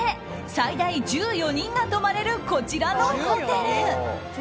最大１４人が泊まれるこちらのホテル。